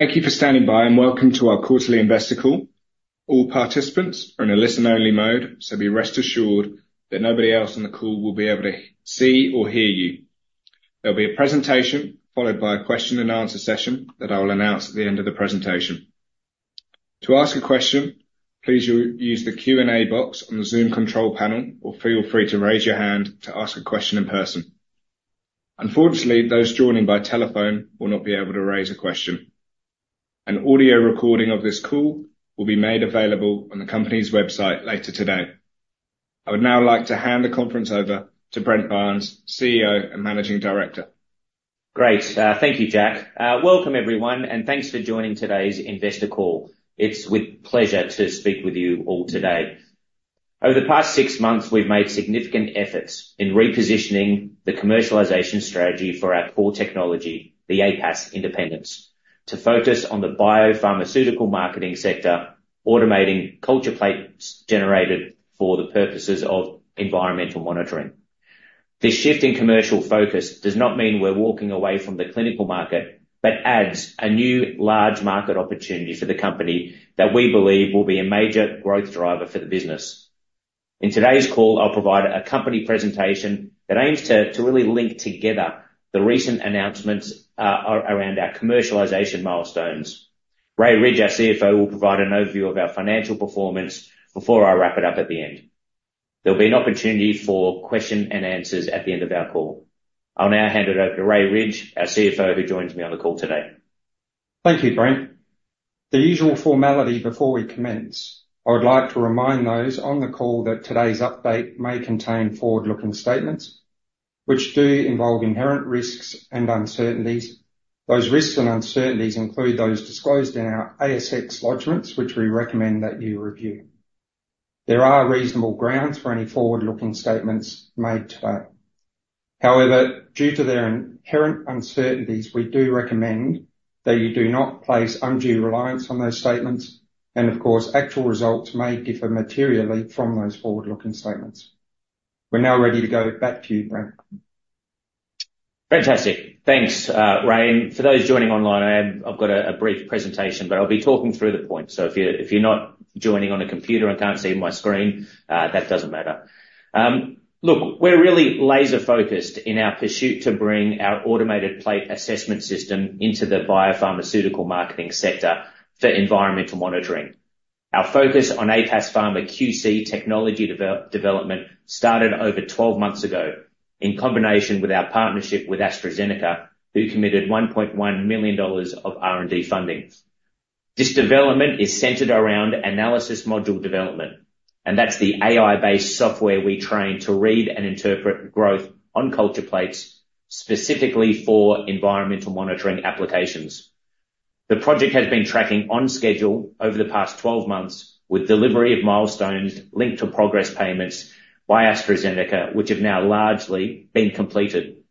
Thank you for standing by and welcome to our Quarterly Investor Call. All participants are in a listen-only mode, so be rest assured that nobody else in the call will be able to see or hear you. There'll be a presentation followed by a question-and-answer session that I will announce at the end of the presentation. To ask a question, please use the Q&A box on the Zoom control panel, or feel free to raise your hand to ask a question in person. Unfortunately, those joining by telephone will not be able to raise a question. An audio recording of this call will be made available on the company's website later today. I would now like to hand the conference over to Brent Barnes, CEO and Managing Director. Great. Thank you, Jack. Welcome, everyone, and thanks for joining today's investor call. It's a pleasure to speak with you all today. Over the past six months, we've made significant efforts in repositioning the commercialization strategy for our core technology, the APAS Independence, to focus on the biopharmaceutical manufacturing sector, automating culture plates generated for the purposes of environmental monitoring. This shift in commercial focus does not mean we're walking away from the clinical market, but adds a new large market opportunity for the company that we believe will be a major growth driver for the business. In today's call, I'll provide a company presentation that aims to really link together the recent announcements around our commercialization milestones. Ray Ridge, our CFO, will provide an overview of our financial performance before I wrap it up at the end. There'll be an opportunity for questions and answers at the end of our call. I'll now hand it over to Ray Ridge, our CFO, who joins me on the call today. Thank you, Brent. The usual formality before we commence, I would like to remind those on the call that today's update may contain forward-looking statements which do involve inherent risks and uncertainties. Those risks and uncertainties include those disclosed in our ASX lodgments, which we recommend that you review. There are reasonable grounds for any forward-looking statements made today. However, due to their inherent uncertainties, we do recommend that you do not place undue reliance on those statements. And, of course, actual results may differ materially from those forward-looking statements. We're now ready to go back to you, Brent. Fantastic. Thanks, Ray. And for those joining online, I've got a brief presentation, but I'll be talking through the point. So if you're not joining on a computer and can't see my screen, that doesn't matter. Look, we're really laser-focused in our pursuit to bring our Automated Plate Assessment System into the biopharmaceutical manufacturing sector for environmental monitoring. Our focus on APAS PharmaQC technology development started over 12 months ago in combination with our partnership with AstraZeneca, who committed $1.1 million of R&D fundings. This development is centered around analysis module development, and that's the AI-based software we train to read and interpret growth on culture plates specifically for environmental monitoring applications. The project has been tracking on schedule over the past 12 months with delivery of milestones linked to progress payments by AstraZeneca, which have now largely been completed.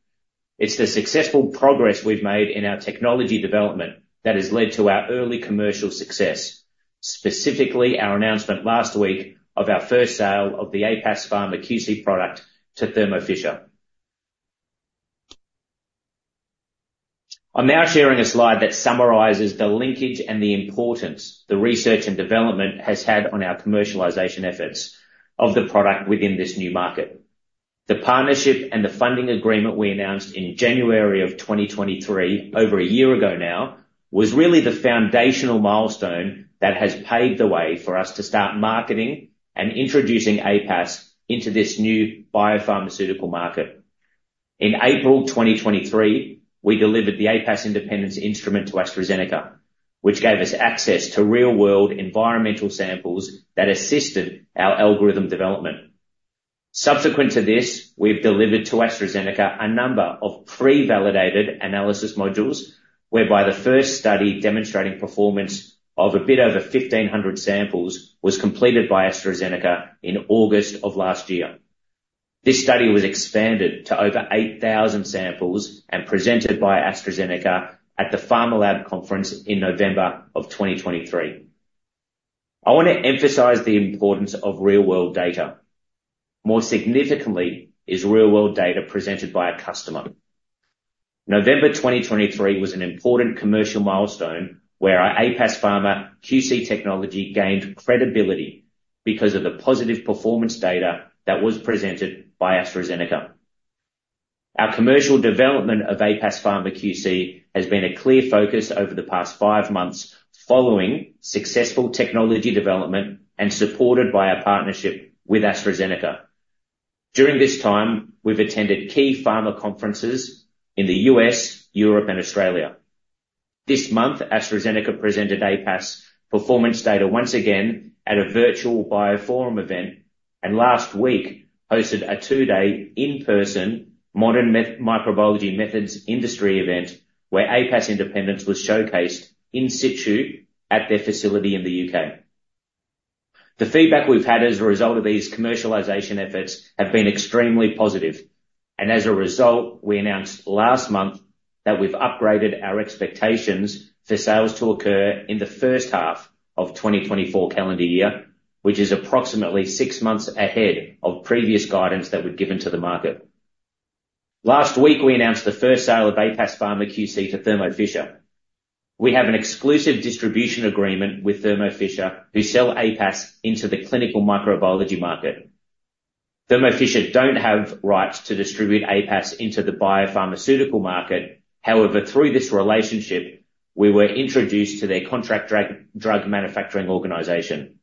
It's the successful progress we've made in our technology development that has led to our early commercial success, specifically our announcement last week of our first sale of the APAS PharmaQC product to Thermo Fisher. I'm now sharing a slide that summarizes the linkage and the importance the research and development has had on our commercialization efforts of the product within this new market. The partnership and the funding agreement we announced in January of 2023, over a year ago now, was really the foundational milestone that has paved the way for us to start marketing and introducing APAS into this new biopharmaceutical market. In April 2023, we delivered the APAS Independence instrument to AstraZeneca, which gave us access to real-world environmental samples that assisted our algorithm development. Subsequent to this, we've delivered to AstraZeneca a number of pre-validated analysis modules, whereby the first study demonstrating performance of a bit over 1,500 samples was completed by AstraZeneca in August of last year. This study was expanded to over 8,000 samples and presented by AstraZeneca at the Pharma Lab Conference in November of 2023. I want to emphasize the importance of real-world data. More significantly is real-world data presented by a customer. November 2023 was an important commercial milestone where our APAS PharmaQC technology gained credibility because of the positive performance data that was presented by AstraZeneca. Our commercial development of APAS PharmaQC has been a clear focus over the past five months following successful technology development and supported by our partnership with AstraZeneca. During this time, we've attended key pharma conferences in the U.S., Europe, and Australia. This month, AstraZeneca presented APAS performance data once again at a virtual BioPharma event and last week hosted a two-day in-person Modern Microbiology Methods industry event where APAS Independence was showcased in situ at their facility in the U.K. The feedback we've had as a result of these commercialization efforts has been extremely positive, and as a result, we announced last month that we've upgraded our expectations for sales to occur in the first half of 2024 calendar year, which is approximately six months ahead of previous guidance that we've given to the market. Last week, we announced the first sale of APAS PharmaQC to Thermo Fisher. We have an exclusive distribution agreement with Thermo Fisher, who sell APAS into the clinical microbiology market. Thermo Fisher don't have rights to distribute APAS into the biopharmaceutical market. However, through this relationship, we were introduced to their contract drug manufacturing organization.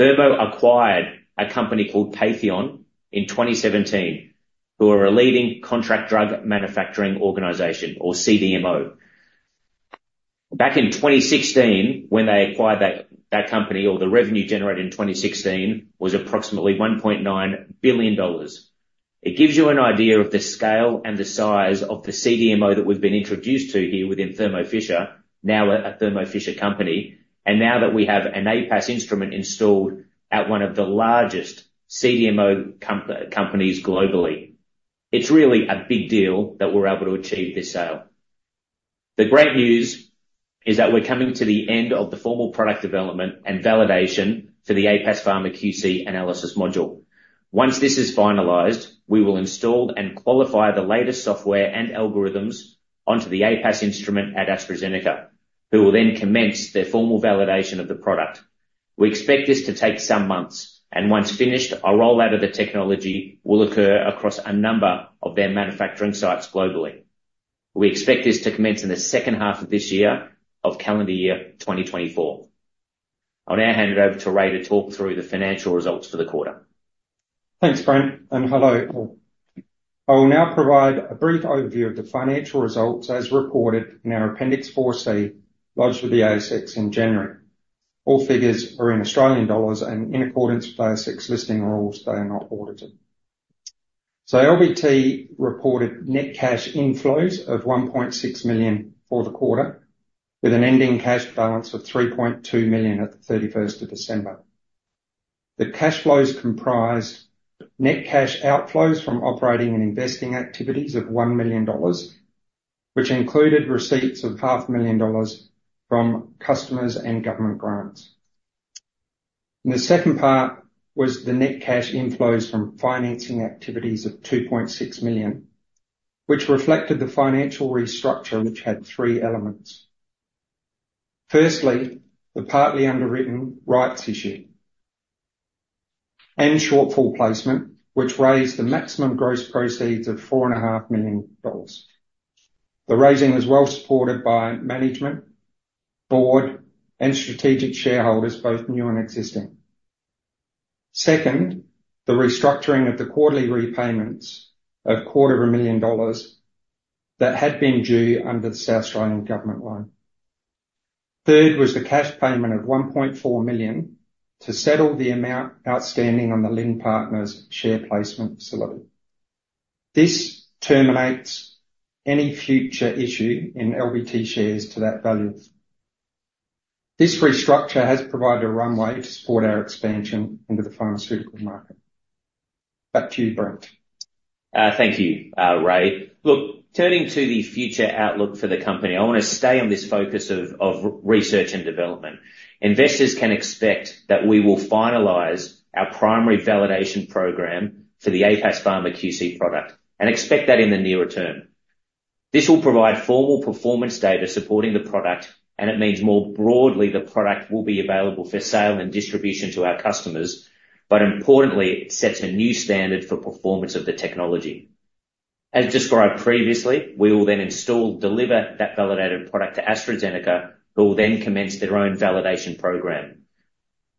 Thermo acquired a company called Patheon in 2017, who are a leading contract drug manufacturing organization, or CDMO. Back in 2016, when they acquired that company, the revenue generated in 2016 was approximately $1.9 billion. It gives you an idea of the scale and the size of the CDMO that we've been introduced to here within Thermo Fisher, now at a Thermo Fisher company, and now that we have an APAS instrument installed at one of the largest CDMO companies globally, it's really a big deal that we're able to achieve this sale. The great news is that we're coming to the end of the formal product development and validation for the APAS PharmaQC analysis module. Once this is finalized, we will install and qualify the latest software and algorithms onto the APAS instrument at AstraZeneca, who will then commence their formal validation of the product. We expect this to take some months, and once finished, a rollout of the technology will occur across a number of their manufacturing sites globally. We expect this to commence in the second half of this year of calendar year 2024. I'll now hand it over to Ray to talk through the financial results for the quarter. Thanks, Brent, and hello. I will now provide a brief overview of the financial results as reported in our Appendix 4C, lodged with the ASX in January. All figures are in Australian dollars, and in accordance with ASX listing rules, they are not audited. So LBT reported net cash inflows of 1.6 million for the quarter, with an ending cash balance of 3.2 million at the 31st of December. The cash flows comprised net cash outflows from operating and investing activities of 1 million dollars, which included receipts of 500,000 dollars from customers and government grants. The second part was the net cash inflows from financing activities of 2.6 million, which reflected the financial restructure, which had three elements. Firstly, the partly underwritten rights issue and shortfall placement, which raised the maximum gross proceeds of 4.5 million dollars. The raising was well supported by management, board, and strategic shareholders, both new and existing. Second, the restructuring of the quarterly repayments of $250,000 that had been due under the South Australian Government loan. Third was the cash payment of $1.4 million to settle the amount outstanding on the Lind Partners share placement facility. This terminates any future issue in LBT shares to that value. This restructure has provided a runway to support our expansion into the pharmaceutical market. Back to you, Brent. Thank you, Ray. Look, turning to the future outlook for the company, I want to stay on this focus of research and development. Investors can expect that we will finalize our primary validation program for the APAS PharmaQC product and expect that in the nearer term. This will provide formal performance data supporting the product, and it means more broadly the product will be available for sale and distribution to our customers, but importantly, it sets a new standard for performance of the technology. As described previously, we will then install, deliver that validated product to AstraZeneca, who will then commence their own validation program.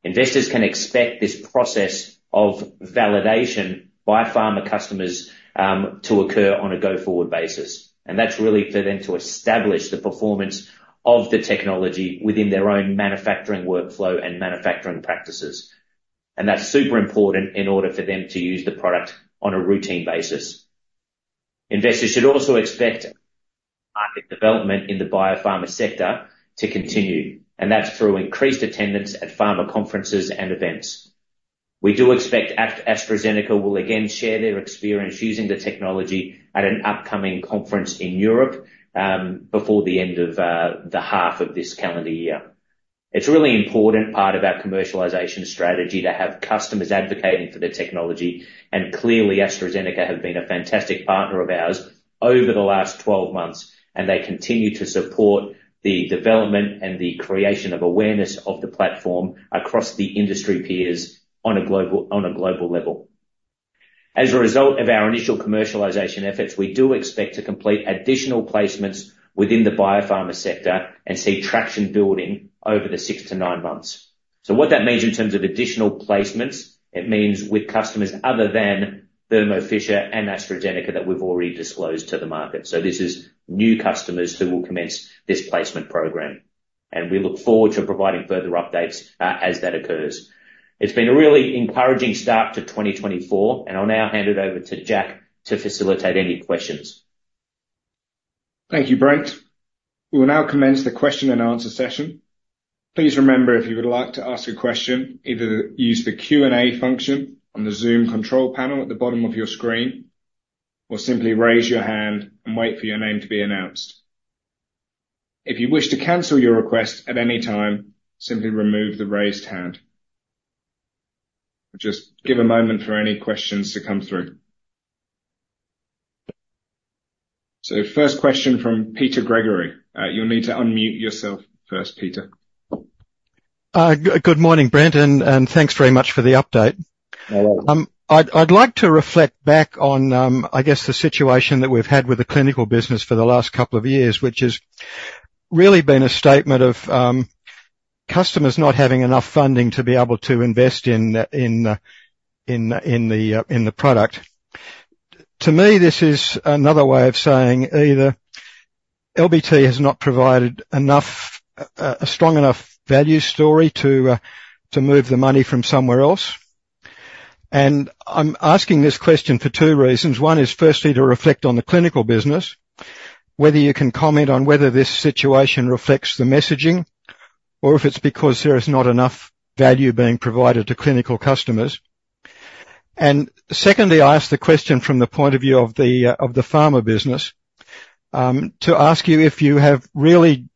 Investors can expect this process of validation by pharma customers to occur on a go-forward basis, and that's really for them to establish the performance of the technology within their own manufacturing workflow and manufacturing practices. And that's super important in order for them to use the product on a routine basis. Investors should also expect market development in the biopharma sector to continue, and that's through increased attendance at pharma conferences and events. We do expect AstraZeneca will again share their experience using the technology at an upcoming conference in Europe before the end of the half of this calendar year. It's a really important part of our commercialization strategy to have customers advocating for the technology. And clearly, AstraZeneca have been a fantastic partner of ours over the last 12 months, and they continue to support the development and the creation of awareness of the platform across the industry peers on a global level. As a result of our initial commercialization efforts, we do expect to complete additional placements within the biopharma sector and see traction building over the six to nine months. So what that means in terms of additional placements, it means with customers other than Thermo Fisher and AstraZeneca that we've already disclosed to the market. So this is new customers who will commence this placement program. And we look forward to providing further updates as that occurs. It's been a really encouraging start to 2024. And I'll now hand it over to Jack to facilitate any questions. Thank you, Brent. We will now commence the question and answer session. Please remember, if you would like to ask a question, either use the Q&A function on the Zoom control panel at the bottom of your screen, or simply raise your hand and wait for your name to be announced. If you wish to cancel your request at any time, simply remove the raised hand. Just give a moment for any questions to come through, so first question from Peter Gregory. You'll need to unmute yourself first, Peter. Good morning, Brent, and thanks very much for the update. I'd like to reflect back on, I guess, the situation that we've had with the clinical business for the last couple of years, which has really been a statement of customers not having enough funding to be able to invest in the product. To me, this is another way of saying either LBT has not provided a strong enough value story to move the money from somewhere else. And I'm asking this question for two reasons. One is, firstly, to reflect on the clinical business, whether you can comment on whether this situation reflects the messaging, or if it's because there is not enough value being provided to clinical customers? Secondly, I ask the question from the point of view of the pharma business to ask you if you have really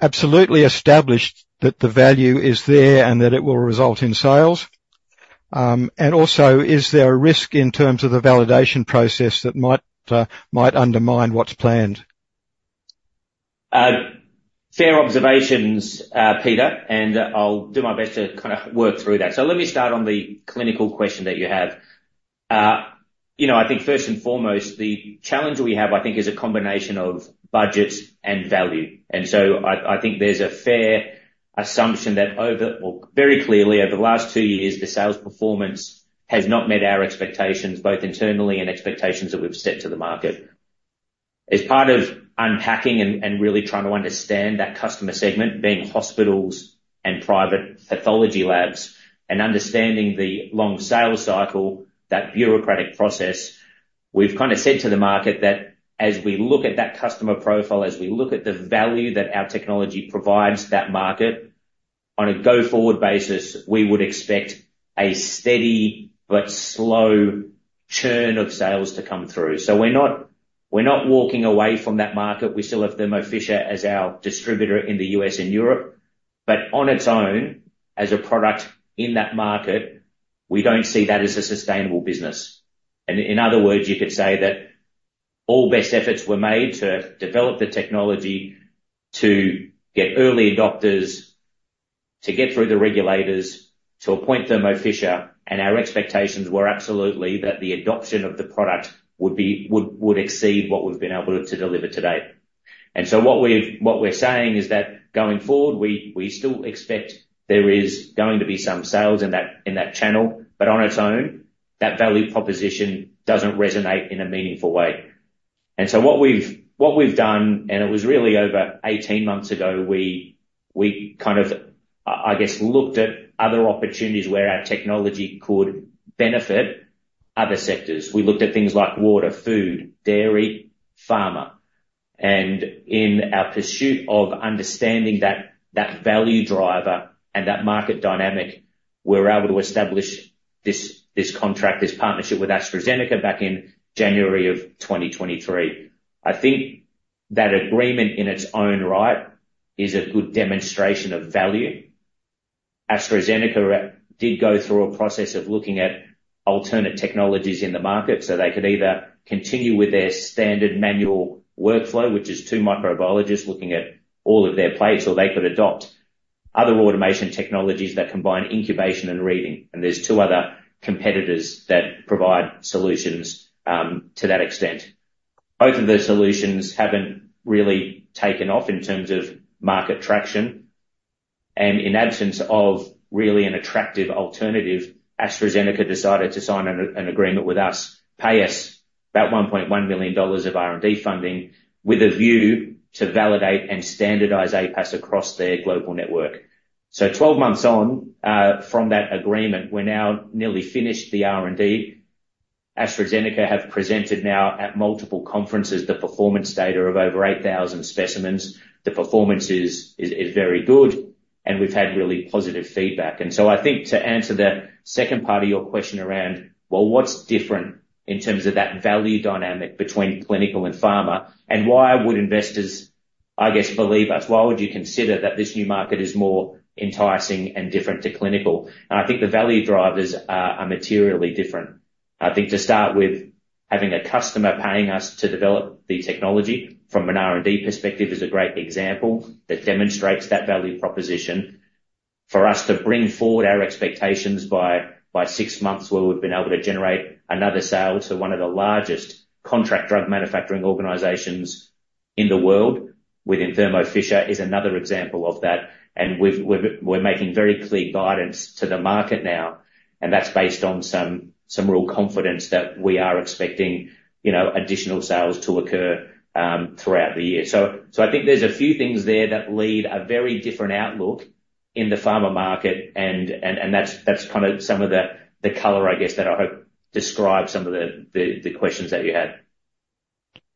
absolutely established that the value is there and that it will result in sales. Also, is there a risk in terms of the validation process that might undermine what's planned? Fair observations, Peter, and I'll do my best to kind of work through that. So let me start on the clinical question that you have. I think first and foremost, the challenge we have, I think, is a combination of budgets and value. And so I think there's a fair assumption that, very clearly, over the last two years, the sales performance has not met our expectations, both internally and expectations that we've set to the market. As part of unpacking and really trying to understand that customer segment, being hospitals and private pathology labs, and understanding the long sales cycle, that bureaucratic process, we've kind of said to the market that as we look at that customer profile, as we look at the value that our technology provides that market, on a go-forward basis, we would expect a steady but slow churn of sales to come through. So we're not walking away from that market. We still have Thermo Fisher as our distributor in the U.S. and Europe. But on its own, as a product in that market, we don't see that as a sustainable business. And in other words, you could say that all best efforts were made to develop the technology to get early adopters, to get through the regulators, to appoint Thermo Fisher, and our expectations were absolutely that the adoption of the product would exceed what we've been able to deliver today. And so what we're saying is that going forward, we still expect there is going to be some sales in that channel, but on its own, that value proposition doesn't resonate in a meaningful way. So what we've done, and it was really over 18 months ago, we kind of, I guess, looked at other opportunities where our technology could benefit other sectors. We looked at things like water, food, dairy, pharma. In our pursuit of understanding that value driver and that market dynamic, we were able to establish this contract, this partnership with AstraZeneca back in January of 2023. I think that agreement in its own right is a good demonstration of value. AstraZeneca did go through a process of looking at alternate technologies in the market so they could either continue with their standard manual workflow, which is two microbiologists looking at all of their plates, or they could adopt other automation technologies that combine incubation and reading. There's two other competitors that provide solutions to that extent. Both of those solutions haven't really taken off in terms of market traction. And in absence of really an attractive alternative, AstraZeneca decided to sign an agreement with us, pay us about $1.1 million of R&D funding with a view to validate and standardize APAS across their global network. So 12 months on from that agreement, we're now nearly finished the R&D. AstraZeneca have presented now at multiple conferences the performance data of over 8,000 specimens. The performance is very good, and we've had really positive feedback. And so I think to answer the second part of your question around, well, what's different in terms of that value dynamic between clinical and pharma, and why would investors, I guess, believe us? Why would you consider that this new market is more enticing and different to clinical? And I think the value drivers are materially different. I think to start with, having a customer paying us to develop the technology from an R&D perspective is a great example that demonstrates that value proposition. For us to bring forward our expectations by six months where we've been able to generate another sale to one of the largest contract drug manufacturing organizations in the world within Thermo Fisher is another example of that. And we're making very clear guidance to the market now, and that's based on some real confidence that we are expecting additional sales to occur throughout the year. So I think there's a few things there that lead a very different outlook in the pharma market, and that's kind of some of the color, I guess, that I hope describes some of the questions that you had.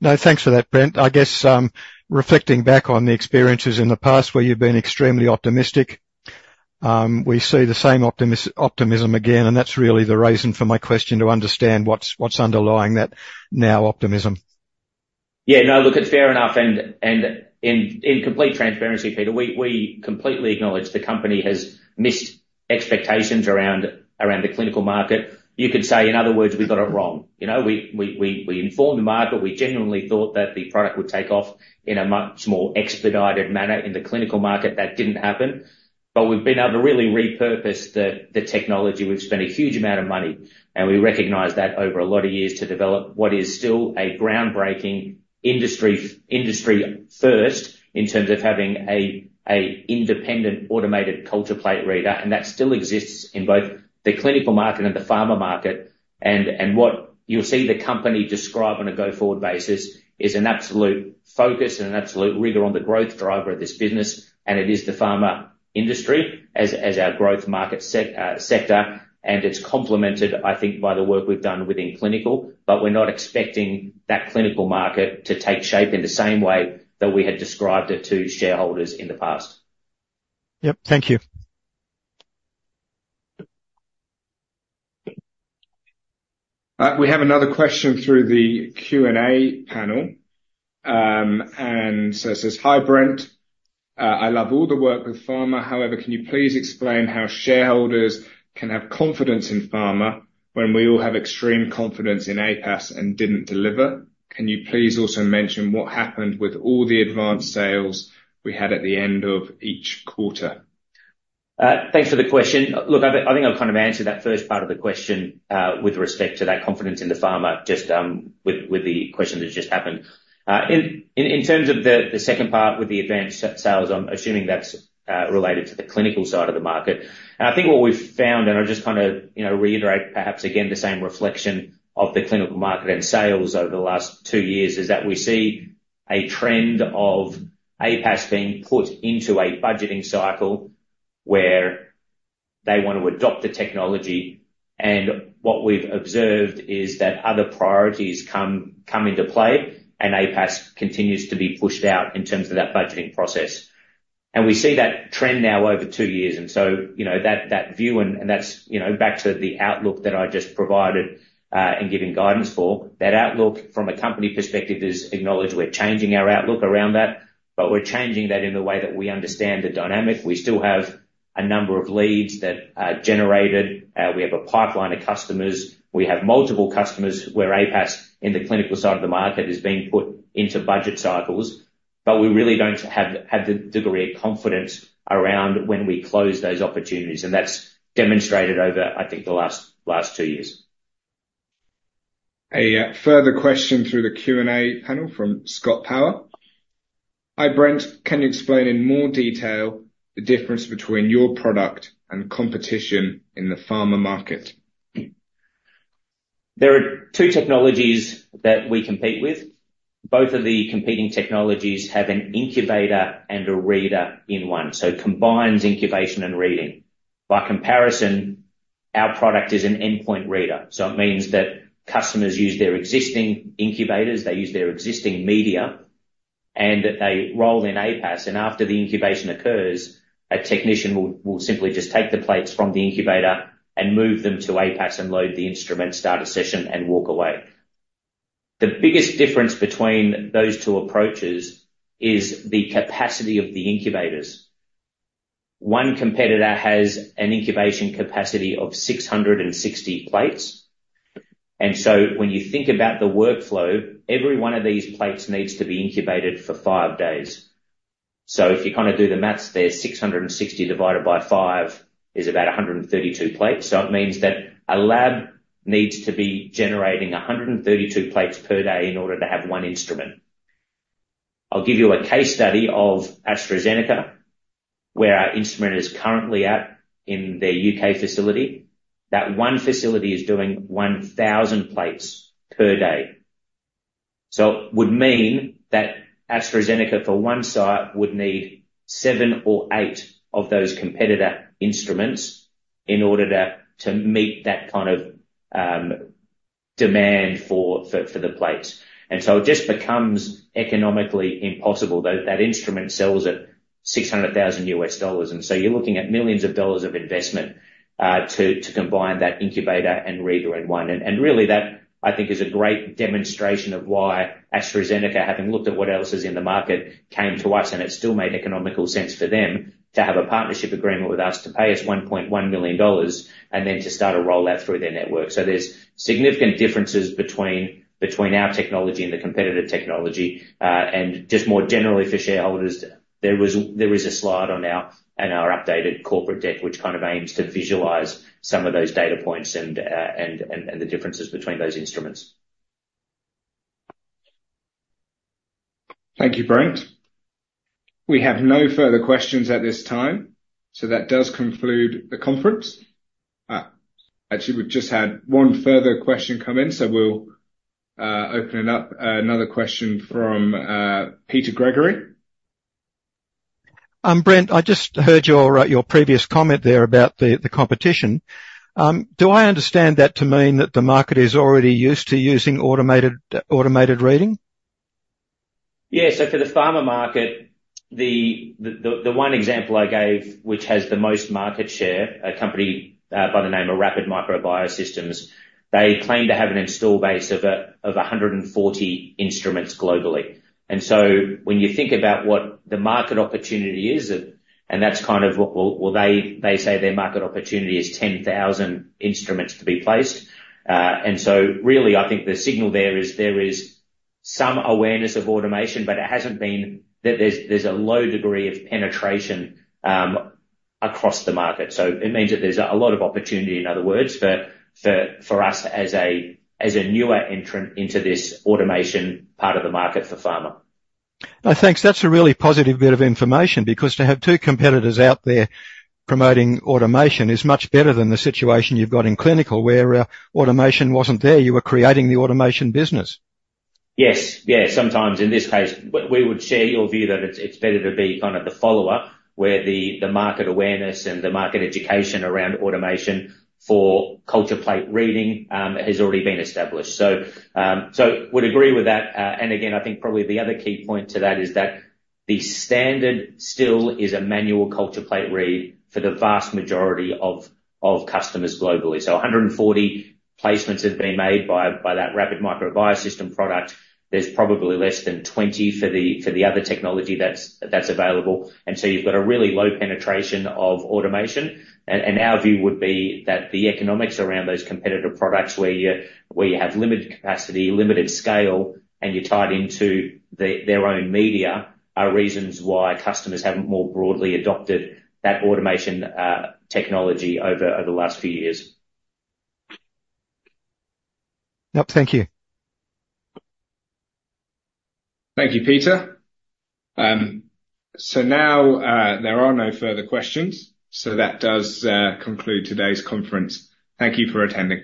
No, thanks for that, Brent. I guess reflecting back on the experiences in the past where you've been extremely optimistic, we see the same optimism again, and that's really the reason for my question to understand what's underlying that now optimism. Yeah, no, look, it's fair enough. And in complete transparency, Peter, we completely acknowledge the company has missed expectations around the clinical market. You could say, in other words, we got it wrong. We informed the market. We genuinely thought that the product would take off in a much more expedited manner in the clinical market. That didn't happen. But we've been able to really repurpose the technology. We've spent a huge amount of money, and we recognize that over a lot of years to develop what is still a groundbreaking industry first in terms of having an independent automated culture plate reader. And that still exists in both the clinical market and the pharma market. And what you'll see the company describe on a go-forward basis is an absolute focus and an absolute rigor on the growth driver of this business. It is the pharma industry as our growth market sector. It's complemented, I think, by the work we've done within clinical. We're not expecting that clinical market to take shape in the same way that we had described it to shareholders in the past. Yep, thank you. We have another question through the Q&A panel, and so it says, "Hi Brent, I love all the work with pharma. However, can you please explain how shareholders can have confidence in pharma when we all have extreme confidence in APAS and didn't deliver? Can you please also mention what happened with all the advanced sales we had at the end of each quarter?" Thanks for the question. Look, I think I've kind of answered that first part of the question with respect to that confidence in the pharma, just with the question that just happened. In terms of the second part with the advanced sales, I'm assuming that's related to the clinical side of the market. And I think what we've found, and I'll just kind of reiterate perhaps again the same reflection of the clinical market and sales over the last two years, is that we see a trend of APAS being put into a budgeting cycle where they want to adopt the technology. And what we've observed is that other priorities come into play, and APAS continues to be pushed out in terms of that budgeting process. And we see that trend now over two years. And so that view, and that's back to the outlook that I just provided, and giving guidance for. That outlook from a company perspective is acknowledged. We're changing our outlook around that, but we're changing that in the way that we understand the dynamic. We still have a number of leads that are generated. We have a pipeline of customers. We have multiple customers where APAS in the clinical side of the market is being put into budget cycles, but we really don't have the degree of confidence around when we close those opportunities, and that's demonstrated over, I think, the last two years. A further question through the Q&A panel from Scott Power: "Hi, Brent, can you explain in more detail the difference between your product and competition in the pharma market?" There are two technologies that we compete with. Both of the competing technologies have an incubator and a reader in one. So it combines incubation and reading. By comparison, our product is an endpoint reader. So it means that customers use their existing incubators, they use their existing media, and they roll in APAS. And after the incubation occurs, a technician will simply just take the plates from the incubator and move them to APAS and load the instrument, start a session, and walk away. The biggest difference between those two approaches is the capacity of the incubators. One competitor has an incubation capacity of 660 plates. And so when you think about the workflow, every one of these plates needs to be incubated for five days. So if you kind of do the math, there's 660 divided by five is about 132 plates. So it means that a lab needs to be generating 132 plates per day in order to have one instrument. I'll give you a case study of AstraZeneca where our instrument is currently at in the U.K. facility. That one facility is doing 1,000 plates per day. So it would mean that AstraZeneca for one site would need seven or eight of those competitor instruments in order to meet that kind of demand for the plates. And so it just becomes economically impossible that that instrument sells at $600,000. And so you're looking at millions of dollars of investment to combine that incubator and reader in one. Really, that, I think, is a great demonstration of why AstraZeneca, having looked at what else is in the market, came to us, and it still made economical sense for them to have a partnership agreement with us to pay us $1.1 million and then to start a rollout through their network. There's significant differences between our technology and the competitor technology. Just more generally for shareholders, there is a slide on our updated corporate deck, which kind of aims to visualize some of those data points and the differences between those instruments. Thank you, Brent. We have no further questions at this time. So that does conclude the conference. Actually, we've just had one further question come in, so we'll open it up. Another question from Peter Gregory. Brent, I just heard your previous comment there about the competition. Do I understand that to mean that the market is already used to using automated reading? Yeah. So for the pharma market, the one example I gave, which has the most market share, a company by the name of Rapid Micro Biosystems, they claim to have an install base of 140 instruments globally. And so when you think about what the market opportunity is, and that's kind of what they say their market opportunity is 10,000 instruments to be placed. And so really, I think the signal there is there is some awareness of automation, but it hasn't been that there's a low degree of penetration across the market. So it means that there's a lot of opportunity, in other words, for us as a newer entrant into this automation part of the market for pharma. I think that's a really positive bit of information because to have two competitors out there promoting automation is much better than the situation you've got in clinical where automation wasn't there. You were creating the automation business. Yes. Yeah. Sometimes in this case, we would share your view that it's better to be kind of the follower where the market awareness and the market education around automation for culture plate reading has already been established. So I would agree with that. And again, I think probably the other key point to that is that the standard still is a manual culture plate read for the vast majority of customers globally. So 140 placements have been made by that Rapid Micro Biosystems product. There's probably less than 20 for the other technology that's available. And so you've got a really low penetration of automation. And our view would be that the economics around those competitor products where you have limited capacity, limited scale, and you're tied into their own media are reasons why customers haven't more broadly adopted that automation technology over the last few years. Yep. Thank you. Thank you, Peter. So now there are no further questions. So that does conclude today's conference. Thank you for attending.